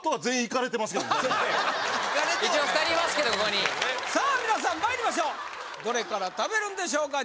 なるほどさあみなさんまいりましょうどれから食べるんでしょうか